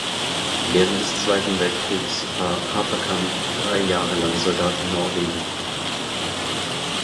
Während des Zweiten Weltkrieges war Haferkamp drei Jahre lang Soldat in Norwegen.